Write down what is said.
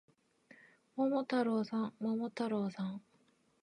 桃太郎さん、桃太郎さん